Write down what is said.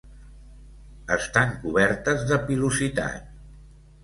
Estan cobertes de pilositat.